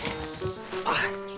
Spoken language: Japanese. あっ！